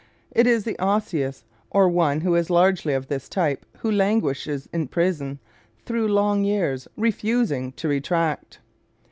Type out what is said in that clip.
It is the Osseous or one who is largely of this type who languishes in prison through long years, refusing to retract.